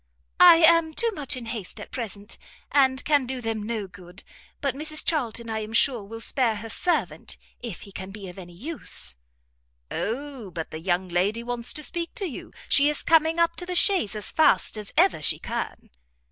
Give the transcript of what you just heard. "I am too much in haste at present, and I can do them no good; but Mrs Charlton I am sure will spare her servant, if he can be of any use." "O but the young lady wants to speak to you; she is coming up to the chaise as fast as ever she can."